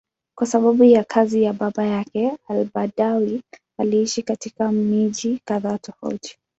Kwa sababu ya kazi ya baba yake, al-Badawi aliishi katika miji kadhaa tofauti.